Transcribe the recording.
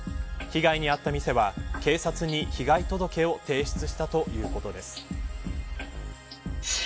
被害に遭った店は警察に被害届を提出したということです。